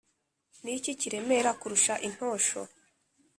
Ni iki kiremera kurusha intosho?